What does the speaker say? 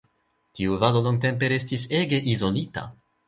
Tiu valo longtempe restis ege izolita.